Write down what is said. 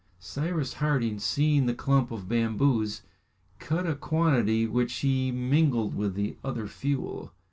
Cyrus Harding, seeing the clump of bamboos, cut a quantity, which he mingled with the other fuel.